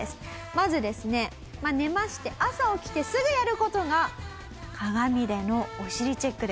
まずですね寝まして朝起きてすぐやる事が鏡でのお尻チェックです。